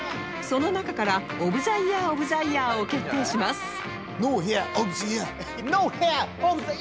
その中からオブザイヤー・オブザイヤーを決定します